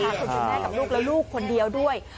คุณแม่กับลูกและลูกคนเดียวด้วย